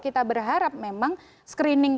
kita berharap memang screening